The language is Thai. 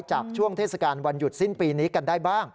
ช่วงเทศกาลวันหยุดสิ้นปีนี้กันได้บ้าง